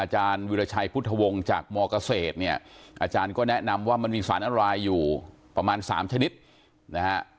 หวงจากมเกษตรเนี่ยอาจารย์ก็แนะนำว่ามันมีสารอันดรายอยู่ประมาณสามชนิดนะฮะ